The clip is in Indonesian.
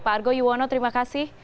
pak argo yuwono terima kasih